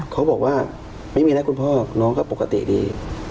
เขาบอกว่าไม่มีแล้วคุณพ่อน้องก็ปกติดี